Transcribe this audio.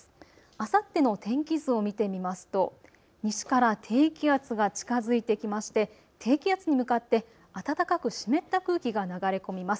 あさっての天気図を見てみますと西から低気圧が近づいてきまして低気圧に向かって暖かく湿った空気が流れ込みます。